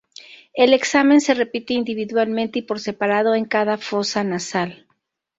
El examen se repite individualmente y por separado en cada fosa nasal.